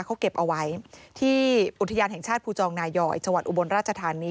เขาเก็บเอาไว้ที่อุทยานแห่งชาติภูจองนายอยจังหวัดอุบลราชธานี